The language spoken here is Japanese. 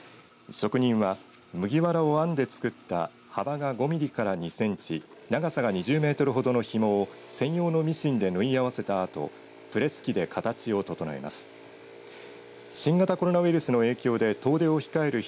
職人は麦わらを編んでつくった幅が５ミリから２センチ長さが２０メートルほどのひもを専用のミシンで縫い合わせたあとプレス機で形を整えます。